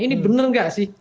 ini bener gak sih